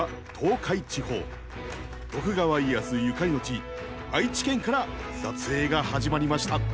徳川家康ゆかりの地愛知県から撮影が始まりました。